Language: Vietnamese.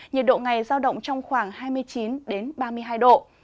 nhiệt độ ngày giao động trong khoảng hai mươi chín ba mươi hai độ